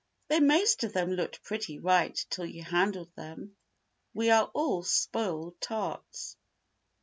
They most of them looked pretty right till you handled them. We are all spoiled tarts.